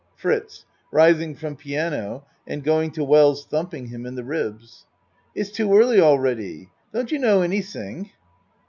FRITZ (Rising from piano and going to Wells thumping him in the ribs.) It's too early all ready. Don't you know anything?